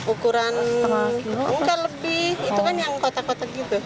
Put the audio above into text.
ukuran enggak lebih itu kan yang kotak kotak gitu